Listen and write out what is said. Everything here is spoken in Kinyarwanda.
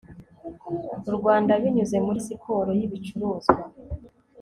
u Rwanda binyuze muri siporo yibicuruzwa